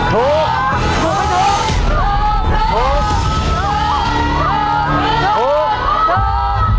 ถูก